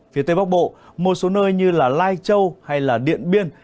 phía tây bắc bộ một số nơi như lai châu hay điện biên